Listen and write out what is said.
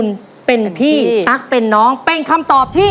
แล้ววันนี้ผมมีสิ่งหนึ่งนะครับเป็นตัวแทนกำลังใจจากผมเล็กน้อยครับ